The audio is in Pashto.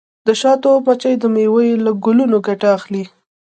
د شاتو مچۍ د میوو له ګلونو ګټه اخلي.